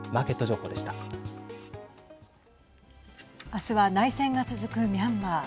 あすは内戦が続くミャンマー。